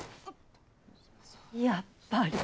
・やっぱり。